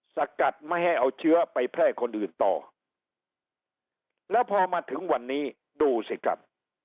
สกัดไม่ให้เอาเชื้อไปแพร่คนอื่นต่อแล้วพอมาถึงวันนี้ดูสิครับ